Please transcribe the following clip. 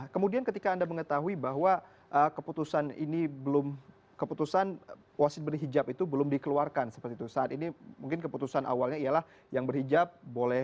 kemudian ketika anda mengetahui bahwa keputusan wasit berhijab itu belum dikeluarkan saat ini mungkin keputusan awalnya ialah yang berhijab